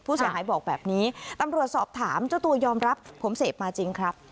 ผู้เสียหายบอกแบบนี้ตำรวจสอบถามเจ้าตัวยอมรับผมเสพมาจริงครับ